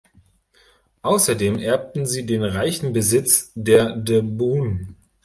Außerdem erbten sie den reichen Besitz der de Bohun.